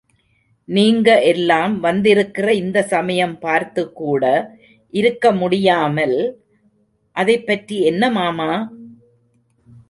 நீங்க எல்லாம் வந்திருக்கிற இந்த சமயம் பார்த்து கூட இருக்க முடியாமல்... அதைப்பற்றி என்ன மாமா?